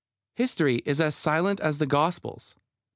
History is as silent as the Gospels.